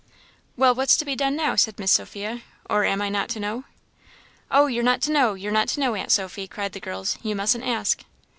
"Well, what's to be done now?" said Miss Sophia "or am I not to know?" "Oh, you're not to know you're not to know, Aunt Sophy," cried the girls "you mustn't ask."